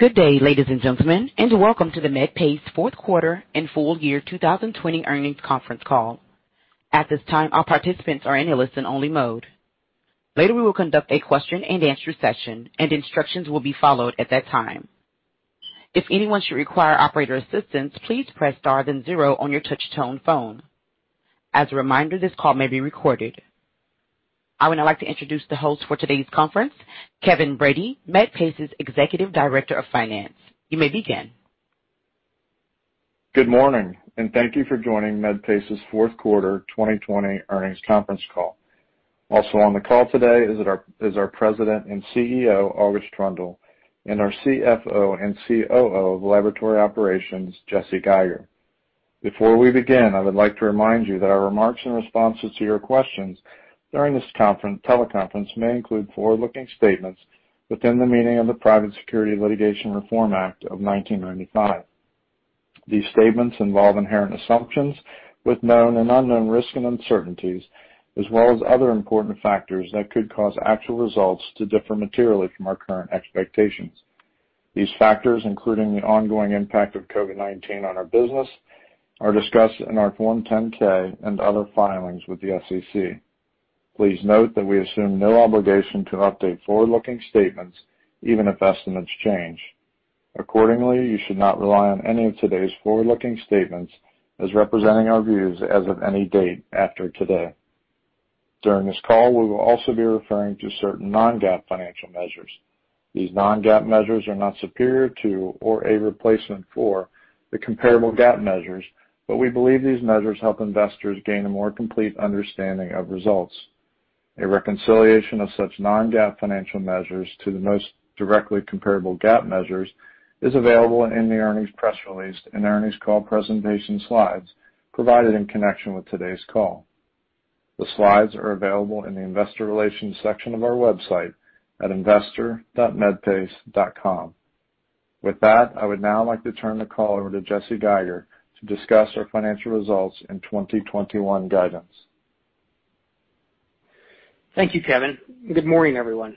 Good day, ladies and gentlemen, and welcome to the Medpace fourth quarter and full year 2020 earnings conference call. At this time, all participants are in a listen-only mode. Later, we will conduct a question-and-answer session, and instructions will be followed at that time. If anyone should require operator assistance, please press star then zero on your touch-tone phone. As a reminder, this call may be recorded. I would now like to introduce the host for today's conference, Kevin Brady, Medpace's Executive Director of Finance. You may begin. Good morning, and thank you for joining Medpace's fourth quarter 2020 earnings conference call. Also on the call today is our President and CEO, August Troendle, and our CFO and COO of Laboratory Operations, Jesse Geiger. Before we begin, I would like to remind you that our remarks and responses to your questions during this teleconference may include forward-looking statements within the meaning of the Private Securities Litigation Reform Act of 1995. These statements involve inherent assumptions with known and unknown risks and uncertainties, as well as other important factors that could cause actual results to differ materially from our current expectations. These factors, including the ongoing impact of COVID-19 on our business, are discussed in our Form 10-K and other filings with the SEC. Please note that we assume no obligation to update forward-looking statements even if estimates change. Accordingly, you should not rely on any of today's forward-looking statements as representing our views as of any date after today. During this call, we will also be referring to certain non-GAAP financial measures. These non-GAAP measures are not superior to or a replacement for the comparable GAAP measures, but we believe these measures help investors gain a more complete understanding of results. A reconciliation of such non-GAAP financial measures to the most directly comparable GAAP measures is available in the earnings press release and earnings call presentation slides provided in connection with today's call. The slides are available in the investor relations section of our website at investor.medpace.com. With that, I would now like to turn the call over to Jesse Geiger to discuss our financial results and 2021 guidance. Thank you, Kevin. Good morning, everyone.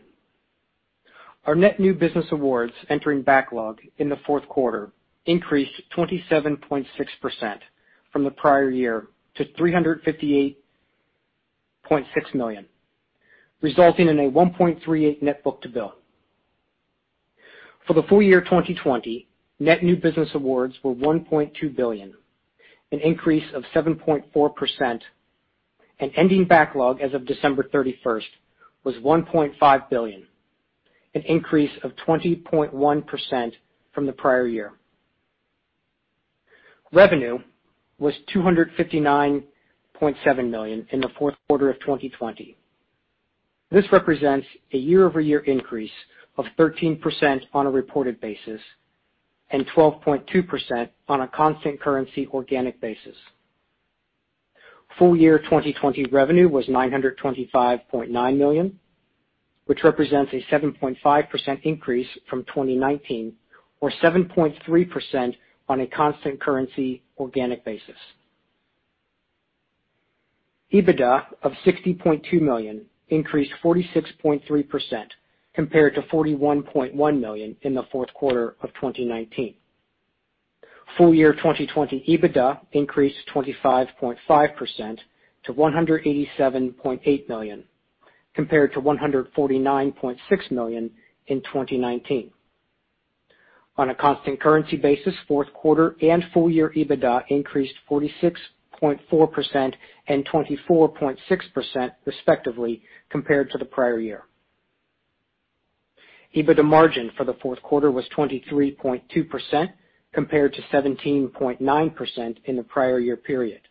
Our net new business awards entering backlog in the fourth quarter increased 27.6% from the prior year to $358.6 million, resulting in a 1.38 net book-to-bill. For the full year 2020, net new business awards were $1.2 billion, an increase of 7.4%, and ending backlog as of December 31st was $1.5 billion, an increase of 20.1% from the prior year. Revenue was $259.7 million in the fourth quarter of 2020. This represents a year-over-year increase of 13% on a reported basis and 12.2% on a constant currency organic basis. Full year 2020 revenue was $925.9 million, which represents a 7.5% increase from 2019 or 7.3% on a constant currency organic basis. EBITDA of $60.2 million increased 46.3% compared to $41.1 million in the fourth quarter of 2019. Full year 2020 EBITDA increased 25.5% to $187.8 million, compared to $149.6 million in 2019. On a constant currency basis, fourth quarter and full year EBITDA increased 46.4% and 24.6%, respectively, compared to the prior year. EBITDA margin for the fourth quarter was 23.2%, compared to 17.9% in the prior year period.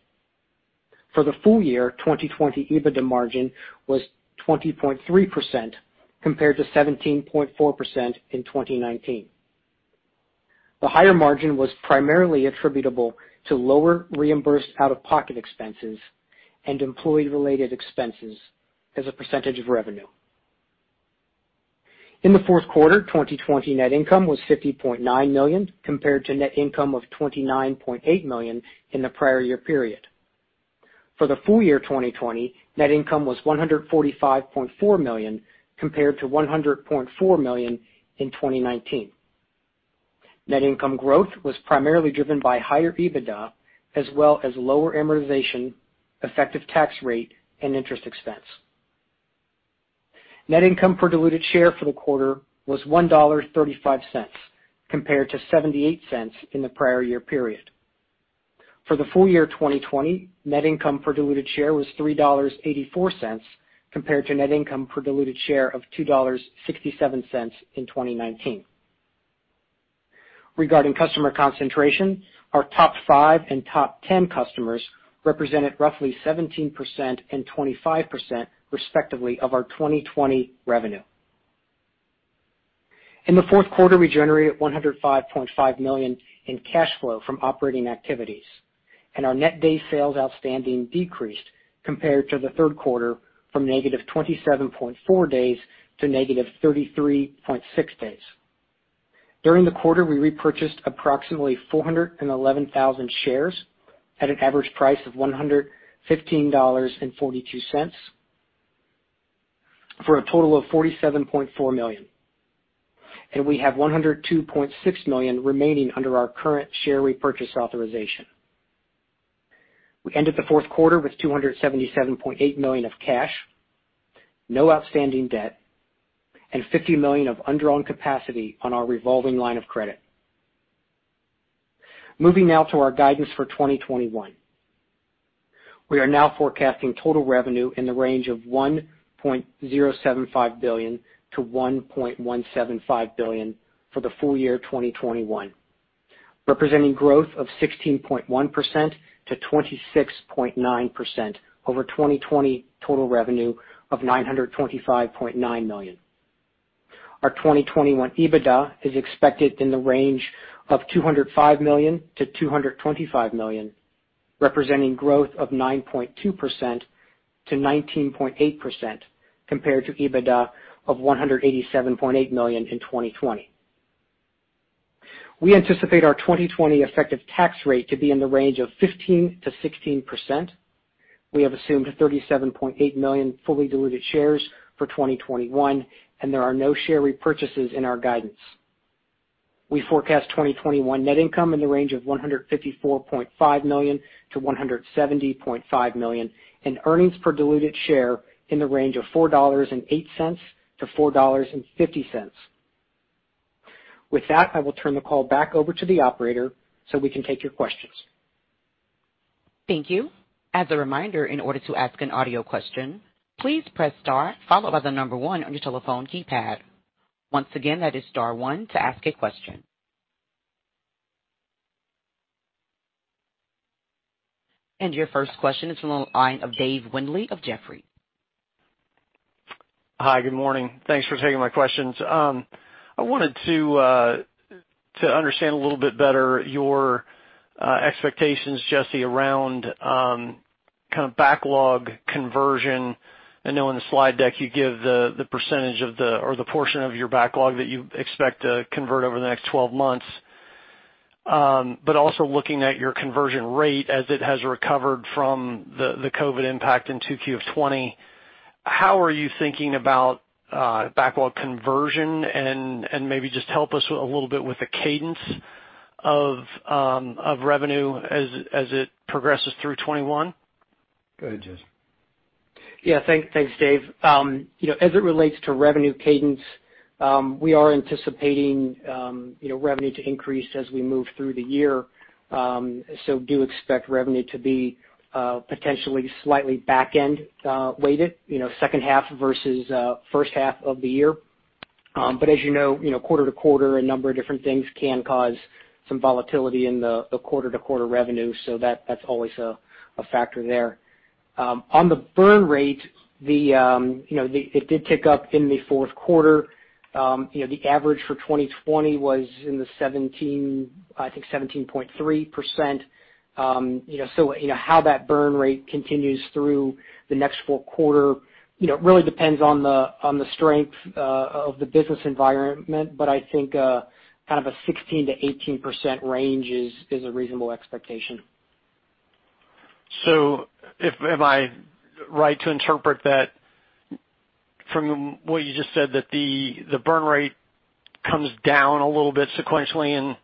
For the full year 2020, EBITDA margin was 20.3%, compared to 17.4% in 2019. The higher margin was primarily attributable to lower reimbursed out-of-pocket expenses and employee-related expenses as a percentage of revenue. In the fourth quarter 2020, net income was $50.9 million, compared to net income of $29.8 million in the prior year period. For the full year 2020, net income was $145.4 million, compared to $100.4 million in 2019. Net income growth was primarily driven by higher EBITDA, as well as lower amortization, effective tax rate, and interest expense. Net income per diluted share for the quarter was $1.35, compared to $0.78 in the prior year period. For the full year 2020, net income per diluted share was $3.84, compared to net income per diluted share of $2.67 in 2019. Regarding customer concentration, our top five and top 10 customers represented roughly 17% and 25%, respectively, of our 2020 revenue. In the fourth quarter, we generated $105.5 million in cash flow from operating activities, and our net day sales outstanding decreased compared to the third quarter from -27.4 days to -33.6 days. During the quarter, we repurchased approximately 411,000 shares at an average price of $115.42 For a total of $47.4 million, and we have $102.6 million remaining under our current share repurchase authorization. We ended the fourth quarter with $277.8 million of cash, no outstanding debt, and $50 million of undrawn capacity on our revolving line of credit. Moving now to our guidance for 2021. We are now forecasting total revenue in the range of $1.075 billion-$1.175 billion for the full year 2021, representing growth of 16.1%-26.9% over 2020 total revenue of $925.9 million. Our 2021 EBITDA is expected in the range of $205 million-$225 million, representing growth of 9.2%-19.8% compared to EBITDA of $187.8 million in 2020. We anticipate our 2021 effective tax rate to be in the range of 15%-16%. We have assumed 37.8 million fully diluted shares for 2021, and there are no share repurchases in our guidance. We forecast 2021 net income in the range of $154.5 million-$170.5 million, and earnings per diluted share in the range of $4.08-$4.50. With that, I will turn the call back over to the operator so we can take your questions. Thank you. As a reminder, in order to ask an audio question, please press star followed by the number one on your telephone keypad. Once again, that is star one to ask a question. Your first question is from the line of Dave Windley of Jefferies. Hi. Good morning. Thanks for taking my questions. I wanted to understand a little bit better your expectations, Jesse, around backlog conversion. I know in the slide deck you give the portion of your backlog that you expect to convert over the next 12 months. Also looking at your conversion rate as it has recovered from the COVID impact in 2Q of 2020, how are you thinking about backlog conversion? Maybe just help us a little bit with the cadence of revenue as it progresses through 2021. Go ahead, Jesse. Yeah. Thanks, Dave. As it relates to revenue cadence, we are anticipating revenue to increase as we move through the year. Do expect revenue to be potentially slightly backend weighted, second half versus first half of the year. As you know, quarter to quarter, a number of different things can cause some volatility in the quarter-to-quarter revenue. That's always a factor there. On the burn rate, it did tick up in the fourth quarter. The average for 2020 was in the, I think, 17.3%. How that burn rate continues through the next full quarter really depends on the strength of the business environment. I think a 16%-18% range is a reasonable expectation. Am I right to interpret that from what you just said, that the burn rate comes down a little bit sequentially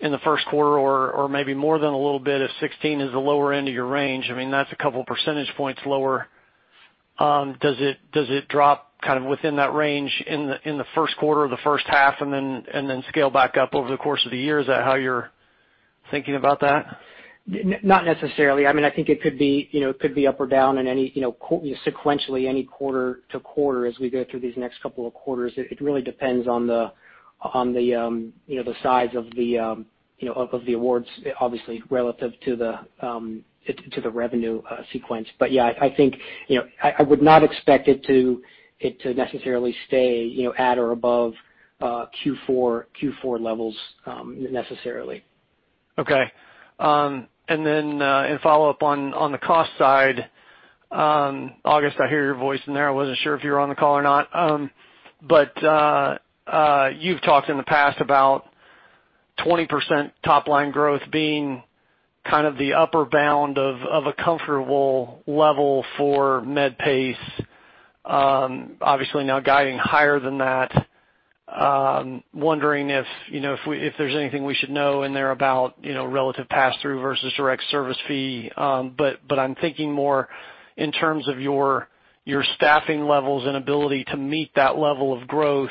in the first quarter or maybe more than a little bit if 16 is the lower end of your range? I mean, that's a couple percentage points lower. Does it drop within that range in the first quarter or the first half and then scale back up over the course of the year? Is that how you're thinking about that? Not necessarily. I think it could be up or down sequentially any quarter to quarter as we go through these next couple of quarters. It really depends on the size of the awards, obviously, relative to the revenue sequence. Yeah, I would not expect it to necessarily stay at or above Q4 levels necessarily. Okay. Then in follow-up on the cost side, August, I hear your voice in there. I wasn't sure if you were on the call or not. You've talked in the past about 20% top-line growth being the upper bound of a comfortable level for Medpace. Obviously now guiding higher than that. Wondering if there's anything we should know in there about relative pass-through versus direct service fee. I'm thinking more in terms of your staffing levels and ability to meet that level of growth.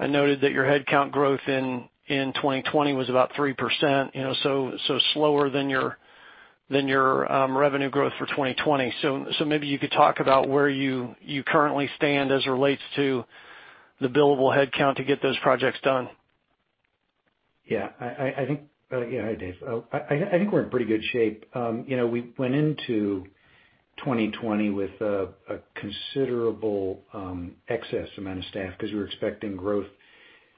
I noted that your headcount growth in 2020 was about 3%, slower than your revenue growth for 2020. Maybe you could talk about where you currently stand as it relates to the billable headcount to get those projects done. Yeah. Hi, Dave. I think we're in pretty good shape. We went into 2020 with a considerable excess amount of staff because we were expecting growth.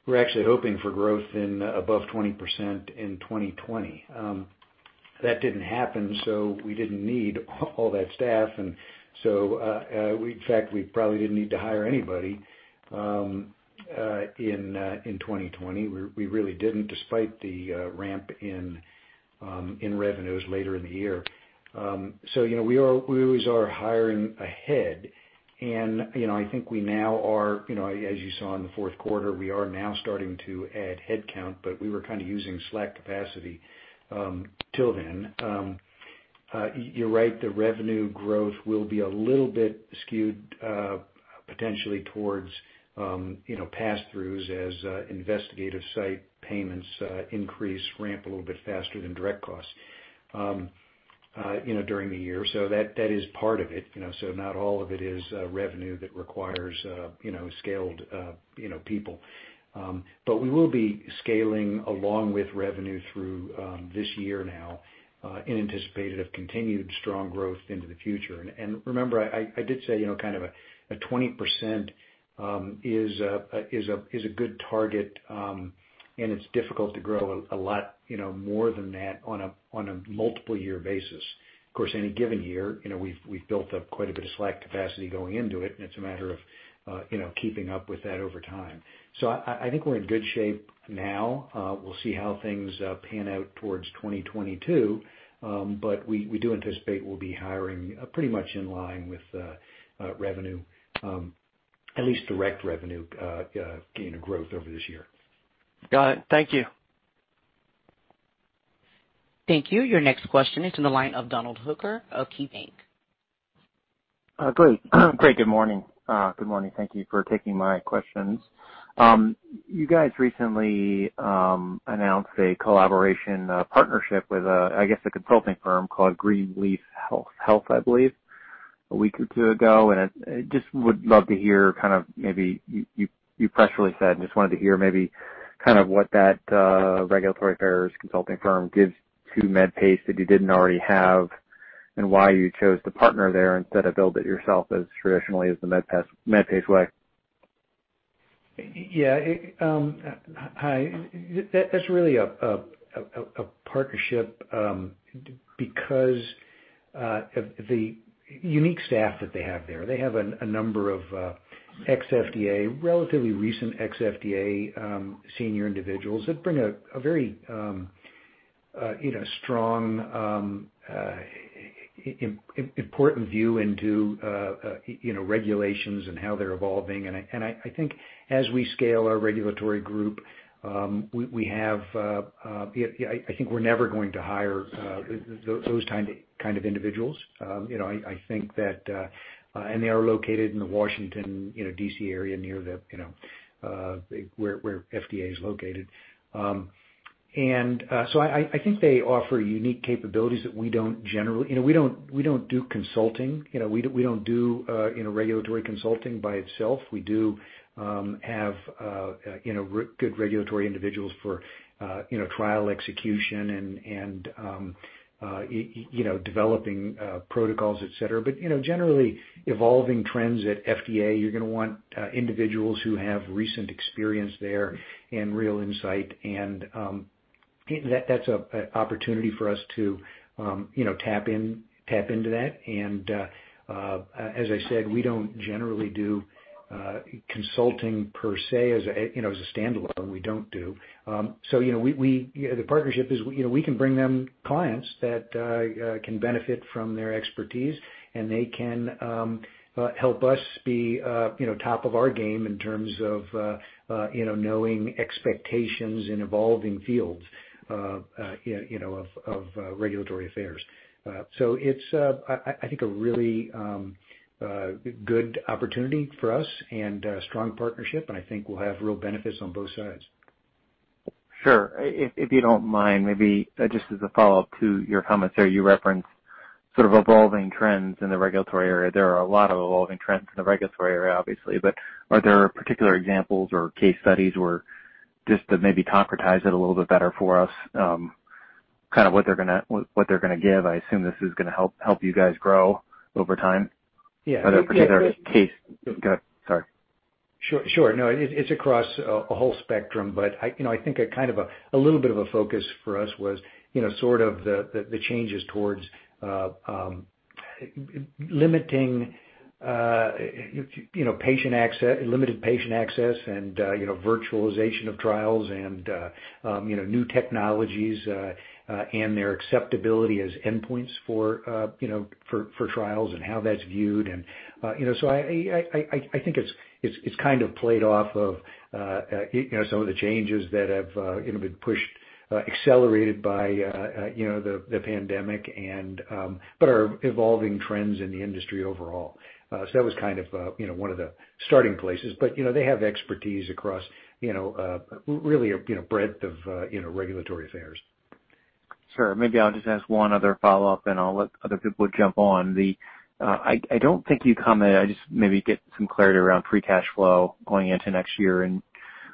We were actually hoping for growth above 20% in 2020. That didn't happen, so we didn't need all that staff. In fact, we probably didn't need to hire anybody in 2020. We really didn't, despite the ramp in revenues later in the year. We always are hiring ahead. I think we now are, as you saw in the fourth quarter, we are now starting to add headcount, but we were kind of using slack capacity until then. You're right, the revenue growth will be a little bit skewed potentially towards pass-throughs as investigative site payments increase ramp a little bit faster than direct costs during the year. That is part of it. Not all of it is revenue that requires scaled people. We will be scaling along with revenue through this year now, in anticipation of continued strong growth into the future. Remember, I did say kind of a 20% is a good target, and it's difficult to grow a lot more than that on a multiple year basis. Of course, any given year, we've built up quite a bit of slack capacity going into it, and it's a matter of keeping up with that over time. I think we're in good shape now. We'll see how things pan out towards 2022. We do anticipate we'll be hiring pretty much in line with revenue, at least direct revenue growth over this year. Got it. Thank you. Thank you. Your next question is on the line of Donald Hooker of KeyBanc. Great. Good morning. Thank you for taking my questions. You guys recently announced a collaboration partnership with, I guess, a consulting firm called Greenleaf Health, I believe, a week or two ago. You press release said, just wanted to hear maybe kind of what that regulatory affairs consulting firm gives to Medpace that you didn't already have and why you chose to partner there instead of build it yourself as traditionally is the Medpace way. Yeah. Hi. That's really a partnership because of the unique staff that they have there. They have a number of ex-FDA, relatively recent ex-FDA senior individuals that bring a very strong, important view into regulations and how they're evolving. I think as we scale our regulatory group, I think we're never going to hire those kind of individuals. They are located in the Washington D.C. area near where FDA is located. I think they offer unique capabilities that we don't do consulting. We don't do regulatory consulting by itself. We do have good regulatory individuals for trial execution and developing protocols, et cetera. Generally, evolving trends at FDA, you're going to want individuals who have recent experience there and real insight, and that's an opportunity for us to tap into that. As I said, we don't generally do consulting per se as a standalone, we don't do. The partnership is we can bring them clients that can benefit from their expertise, and they can help us be top of our game in terms of knowing expectations in evolving fields of regulatory affairs. It's, I think, a really good opportunity for us and a strong partnership, and I think we'll have real benefits on both sides. Sure. If you don't mind, maybe just as a follow-up to your comments there, you referenced sort of evolving trends in the regulatory area. There are a lot of evolving trends in the regulatory area, obviously. Are there particular examples or case studies or just to maybe concretize it a little bit better for us kind of what they're going to give? I assume this is going to help you guys grow over time. Yeah. Are there particular. Go ahead, sorry. Sure. No, it's across a whole spectrum, but I think a little bit of a focus for us was sort of the changes towards limited patient access and virtualization of trials and new technologies and their acceptability as endpoints for trials and how that's viewed. I think it's kind of played off of some of the changes that have been accelerated by the pandemic but are evolving trends in the industry overall. That was kind of one of the starting places. They have expertise across really a breadth of regulatory affairs. Sure. Maybe I'll just ask one other follow-up, and I'll let other people jump on. I don't think you commented, I just maybe get some clarity around free cash flow going into next year and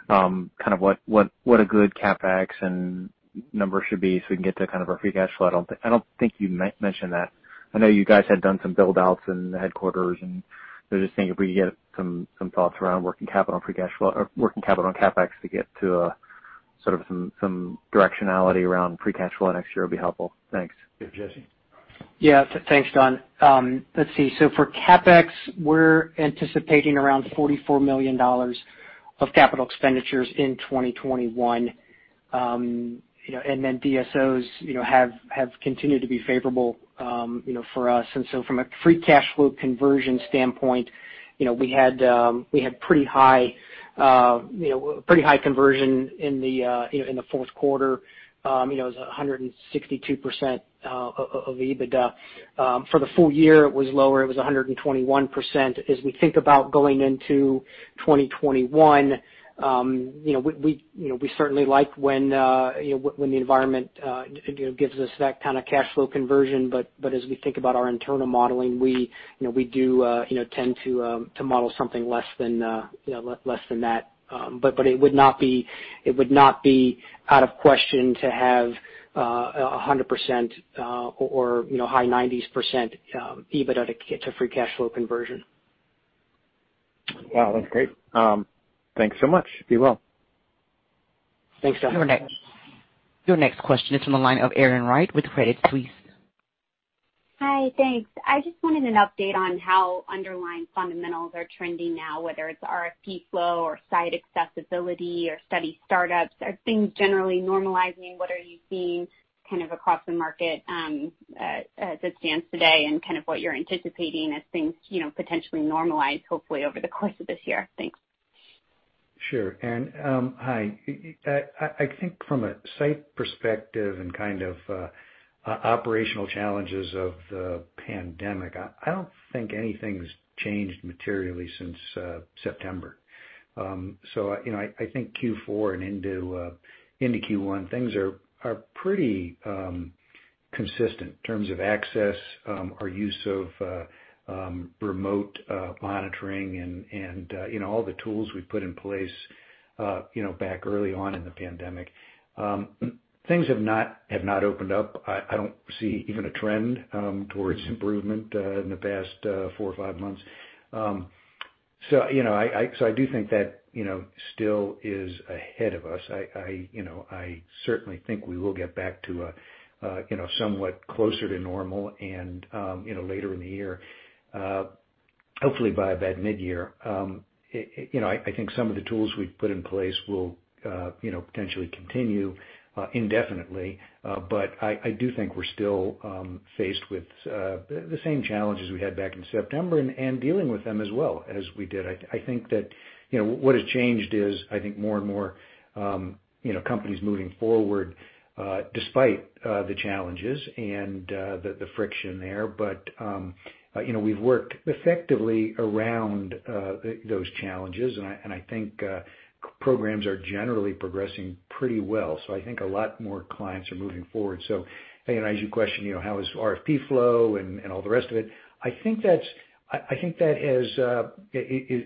kind of what a good CapEx and numbers should be so we can get to kind of our free cash flow. I don't think you mentioned that. I know you guys had done some build-outs in the headquarters, and I was just thinking if we could get some thoughts around working capital on CapEx to get to sort of some directionality around free cash flow next year would be helpful. Thanks. Yeah, Jesse? Yeah. Thanks, Don. Let's see. For CapEx, we're anticipating around $44 million of capital expenditures in 2021. DSOs have continued to be favorable for us. From a free cash flow conversion standpoint, we had pretty high conversion in the fourth quarter. It was 162% of EBITDA. For the full year, it was lower, it was 121%. We think about going into 2021, we certainly like when the environment gives us that kind of cash flow conversion, but as we think about our internal modeling, we do tend to model something less than that. It would not be out of question to have 100% or high 90s% EBITDA to free cash flow conversion. Wow, that's great. Thanks so much. Be well. Thanks, Don. Your next question is from the line of Erin Wright with Credit Suisse. Hi, thanks. I just wanted an update on how underlying fundamentals are trending now, whether it's RFP flow or site accessibility or study startups. Are things generally normalizing? What are you seeing kind of across the market as it stands today and kind of what you're anticipating as things potentially normalize hopefully over the course of this year? Thanks. Sure. Erin, hi. I think from a site perspective and kind of operational challenges of the pandemic, I don't think anything's changed materially since September. I think Q4 and into Q1, things are pretty consistent in terms of access, our use of remote monitoring and all the tools we put in place back early on in the pandemic. Things have not opened up. I don't see even a trend towards improvement in the past four or five months. I do think that still is ahead of us. I certainly think we will get back to somewhat closer to normal and later in the year, hopefully by about mid-year. I think some of the tools we've put in place will potentially continue indefinitely. I do think we're still faced with the same challenges we had back in September and dealing with them as well as we did. I think that what has changed is I think more and more companies moving forward despite the challenges and the friction there. We've worked effectively around those challenges, and I think programs are generally progressing pretty well. I think a lot more clients are moving forward. Erin, as you question, how is RFP flow and all the rest of it? I think that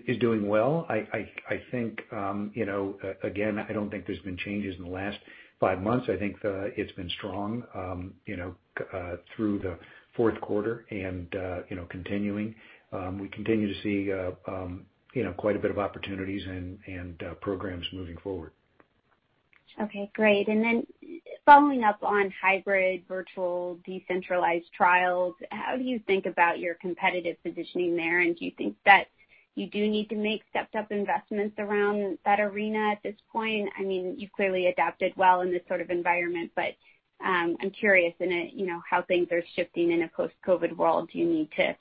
is doing well. Again, I don't think there's been changes in the last five months. I think it's been strong through the fourth quarter and continuing. We continue to see quite a bit of opportunities and programs moving forward. Okay, great. Following up on hybrid virtual decentralized trials, how do you think about your competitive positioning there? Do you think that you do need to make stepped up investments around that arena at this point? You've clearly adapted well in this sort of environment, but I'm curious in how things are shifting in a post-COVID world. Do you need to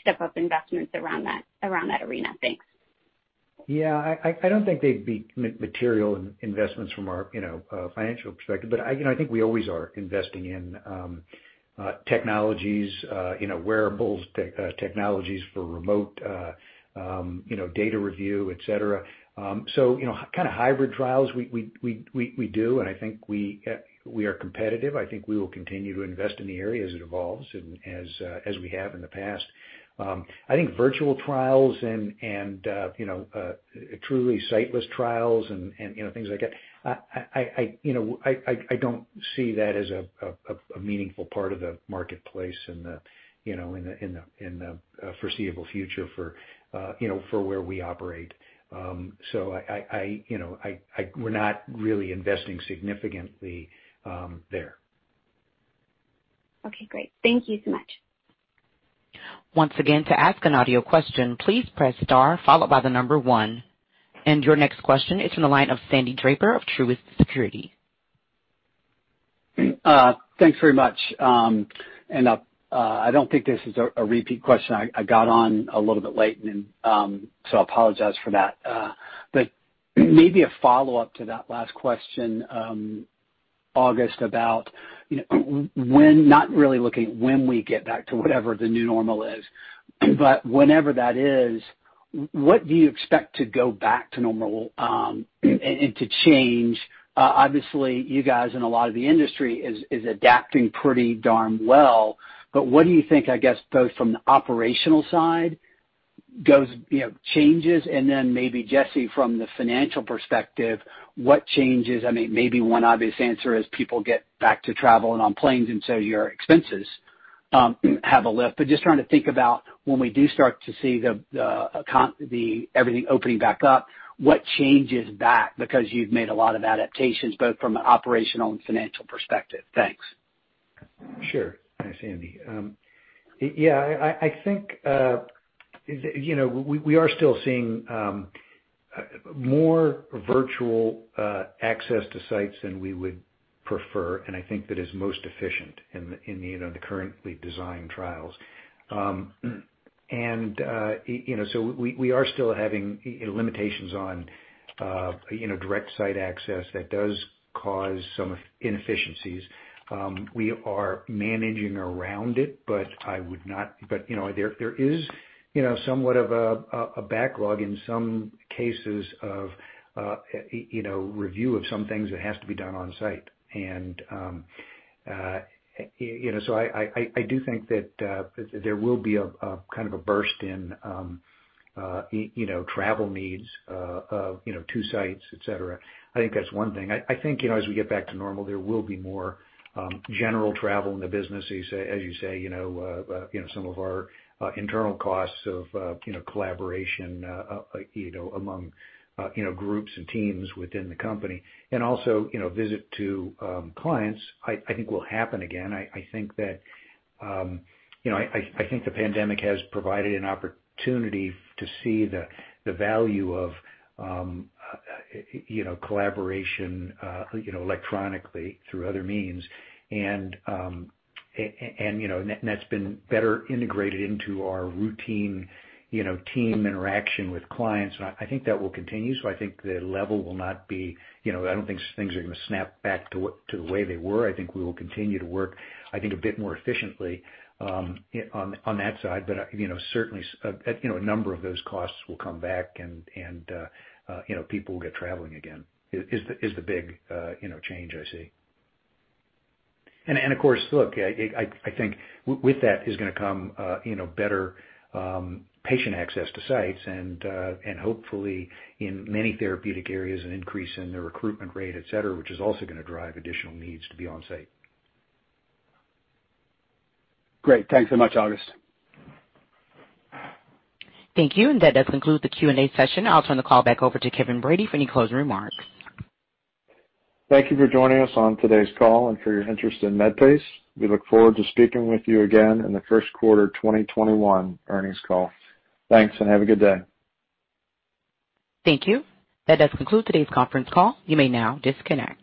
step up investments around that arena? Thanks. Yeah, I don't think they'd be material investments from our financial perspective, but I think we always are investing in technologies, wearables technologies for remote data review, et cetera. Kind of hybrid trials we do, and I think we are competitive. I think we will continue to invest in the area as it evolves and as we have in the past. I think virtual trials and truly siteless trials and things like that, I don't see that as a meaningful part of the marketplace in the foreseeable future for where we operate. We're not really investing significantly there. Okay, great. Thank you so much. Your next question is from the line of Sandy Draper of Truist Securities. Thanks very much. I don't think this is a repeat question. I got on a little bit late and so I apologize for that. Maybe a follow-up to that last question, August, about when not really looking when we get back to whatever the new normal is, but whenever that is, what do you expect to go back to normal and to change? Obviously, you guys and a lot of the industry is adapting pretty darn well, but what do you think, I guess both from the operational side changes and then maybe Jesse, from the financial perspective, what changes? Maybe one obvious answer is people get back to traveling on planes and so your expenses have a lift. Just trying to think about when we do start to see everything opening back up, what changes back because you've made a lot of adaptations both from an operational and financial perspective. Thanks. Sure. Thanks, Sandy. Yeah, I think we are still seeing more virtual access to sites than we would prefer, and I think that is most efficient in the currently designed trials. We are still having limitations on direct site access that does cause some inefficiencies. We are managing around it, but there is somewhat of a backlog in some cases of review of some things that has to be done on site. I do think that there will be a burst in travel needs of two sites, et cetera. I think that's one thing. I think, as we get back to normal, there will be more general travel in the business, as you say, some of our internal costs of collaboration among groups and teams within the company. Also, visit to clients, I think will happen again. I think the pandemic has provided an opportunity to see the value of collaboration electronically through other means, and that's been better integrated into our routine team interaction with clients, and I think that will continue. I don't think things are going to snap back to the way they were. I think we will continue to work, I think, a bit more efficiently on that side. Certainly, a number of those costs will come back, and people will get traveling again is the big change I see. Of course, look, I think with that is going to come better patient access to sites and hopefully in many therapeutic areas, an increase in the recruitment rate, et cetera, which is also going to drive additional needs to be on site. Great. Thanks so much, August. Thank you. That does conclude the Q&A session. I'll turn the call back over to Kevin Brady for any closing remarks. Thank you for joining us on today's call and for your interest in Medpace. We look forward to speaking with you again in the first quarter 2021 earnings call. Thanks, and have a good day. Thank you. That does conclude today's conference call. You may now disconnect.